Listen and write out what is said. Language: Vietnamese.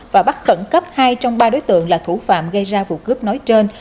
và bắt khẩn cấp hai trong ba đối tượng là thủ phạm gây ra vụ cướp nói trên